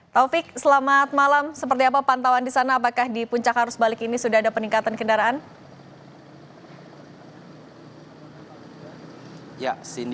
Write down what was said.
taufik selamat malam seperti apa pantauan di sana apakah di puncak arus balik ini sudah ada peningkatan kendaraan